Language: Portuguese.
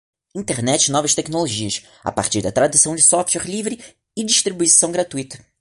Internet e novas tecnologias, a partir da tradução de software livre e distribuição gratuita.